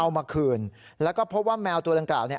เอามาคืนแล้วก็พบว่าแมวตัวดังกล่าวเนี่ย